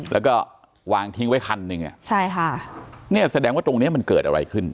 แล้วก็วางทิ้งไว้คันเลยแสดงว่าตรงนี้มันเกิดอะไรขึ้น